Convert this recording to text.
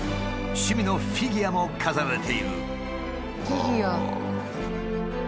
趣味のフィギュアも飾られている。